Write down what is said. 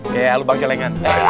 kayak alubang jelengan